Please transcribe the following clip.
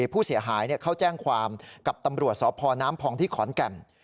ผู้เสียหายเข้าแจ้งความกับตำรวจสพน้ำพองที่ขอนแก่น